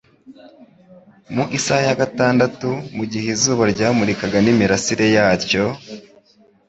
Mu isaha ya gatandatu, mu gihe izuba ryamurikaga n'imirasire yatyo,